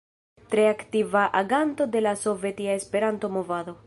Tre aktiva aganto de la Sovetia Esperanto-movado.